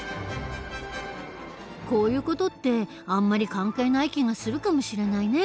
こういう事ってあんまり関係ない気がするかもしれないね。